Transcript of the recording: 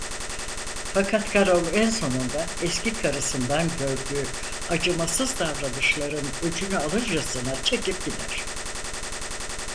Fakat Karol en sonunda eski karısından gördüğü acımasız davranışların öcünü alırcasına çekip gider.